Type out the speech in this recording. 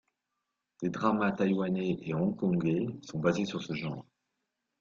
Des dramas taïwanais et hongkongais sont basés sur ce genre.